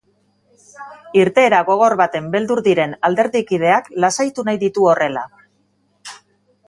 Irteera gogor baten beldur diren alderdikideak lasaitu nahi ditu horrela.